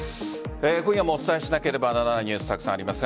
今夜もお伝えしなければならないニュースがたくさんあります。